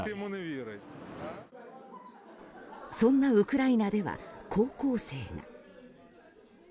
そんなウクライナでは高校生が。